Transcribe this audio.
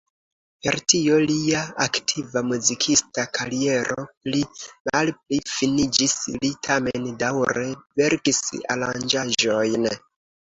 Per tio lia aktiva muzikista kariero pli malpli finiĝis; li tamen daŭre verkis aranĝaĵojn.